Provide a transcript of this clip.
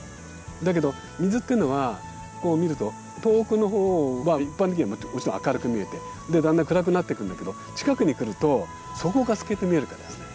だけど水っていうのはこう見ると遠くのほうは一般的にはもちろん明るく見えてでだんだん暗くなっていくんだけど近くに来ると底が透けて見えるからですね。